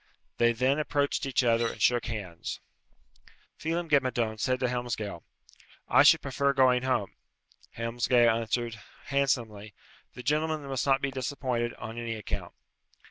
They then approached each other and shook hands. Phelem ghe Madone said to Helmsgail, "I should prefer going home." Helmsgail answered, handsomely, "The gentlemen must not be disappointed, on any account."